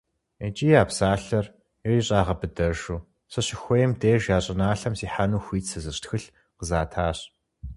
ИкӀи я псалъэр ирищӀагъэбыдэжу, сыщыхуейм деж я щӀыналъэм сихьэну хуит сызыщӀ тхылъ къызатащ.